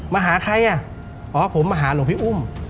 มาหาใครอ่ะอ๋อผมมาหาหลวงพี่อุ้ม